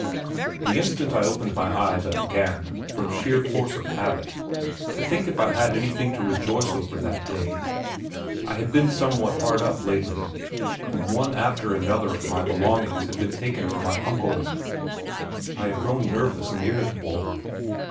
The instant I opened my eyes I began, from sheer force of habit, to think if I had anything to rejoice over that day. I had been somewhat hard up lately, and one after the other of my belongings had been taken to my "Uncle." I had grown nervous and irritable.